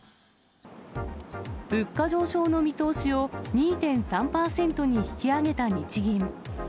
物価上昇の見通しを２．３％に引き上げた日銀。